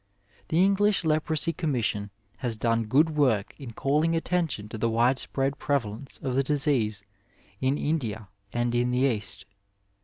The English Leprosy Commission has done good work in calling attention to the widespread prevalence of the disease in India and in the East.